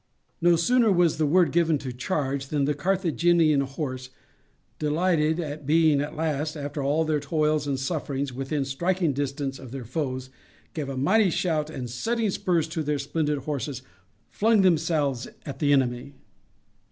No sooner was the word given to charge than the Carthaginian horse, delighted at being at last, after all their toils and sufferings, within striking distance of their foes, gave a mighty shout, and setting spurs to their splendid horses flung themselves at the enemy.